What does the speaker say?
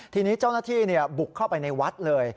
ทีนี้เจ้าหน้าที่บุกเข้าไปในวัดเลย